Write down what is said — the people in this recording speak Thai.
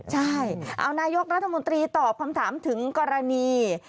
ใช่เอานายกรัฐมนตรีตอบคำถามถึงกรณี